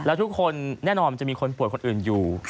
แล้วทุกคนแน่นอนมันจะมีคนป่วยคนอื่นอยู่